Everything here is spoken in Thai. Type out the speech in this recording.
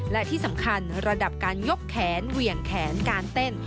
และที่สำคัญระดับการยกแขนเหวี่ยงแขนการเต้น